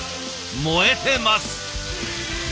燃えてます。